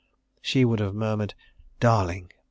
She would have murmured "Darling!"